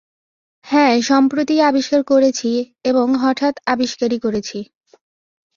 হাঁ, সম্প্রতিই আবিষ্কার করেছি এবং হঠাৎ আবিষ্কারই করেছি।